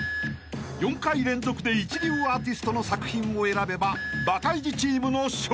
［４回連続で一流アーティストの作品を選べばバカイジチームの勝利］